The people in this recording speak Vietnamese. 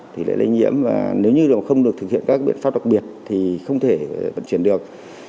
thì lại lây nhiễm và nếu như không được thực hiện các biện pháp đặc biệt thì không thể vận chuyển được